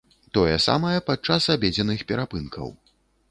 Тое самае падчас абедзенных перапынкаў.